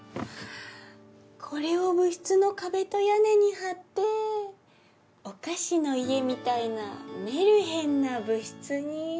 これを部室の壁と屋根に張ってお菓子の家みたいなメルヘンな部室に。